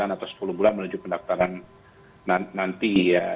sembilan atau sepuluh bulan menuju pendaftaran nanti